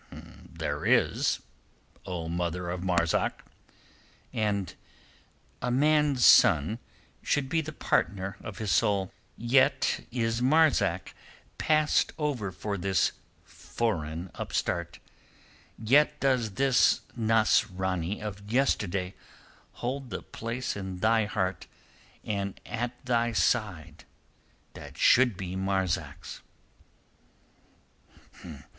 "There is, O mother of Marzak." "And a man's son should be the partner of his soul. Yet is Marzak passed over for this foreign upstart; yet does this Nasrani of yesterday hold the place in thy heart and at thy side that should be Marzak's."